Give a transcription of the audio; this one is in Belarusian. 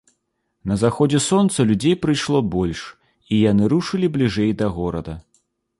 На заходзе сонца людзей прыйшло больш, і яны рушылі бліжэй да горада.